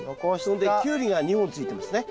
それでキュウリが２本ついてますね。